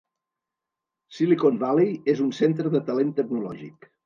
Silicon Valley és un centre de talent tecnològic.